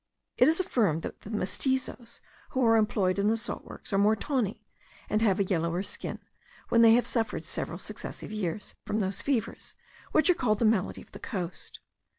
It is affirmed that the mestizoes who are employed in the salt works are more tawny, and have a yellower skin, when they have suffered several successive years from those fevers, which are called the malady of the coast.